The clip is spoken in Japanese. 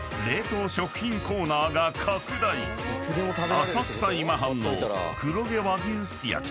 ［浅草今半の］